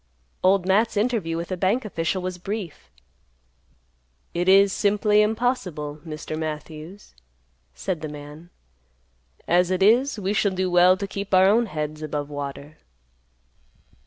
Old Matt's interview with the bank official was brief. "It is simply impossible, Mr. Matthews," said the man; "as it is, we shall do well to keep our own heads above water."